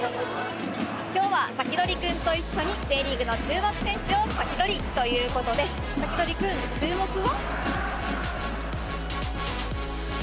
今日は、サキドリくんと一緒にＪリーグの注目選手を先取りということでサキドリくん、注目は。